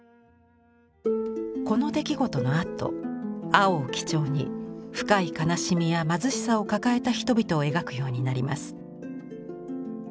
この出来事のあと青を基調に深い悲しみや貧しさを抱えた人々を描くようになります。